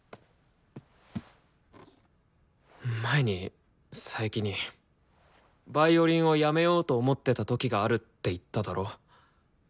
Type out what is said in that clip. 前に佐伯に「ヴァイオリンを辞めようと思ってた時がある」って言っただろ？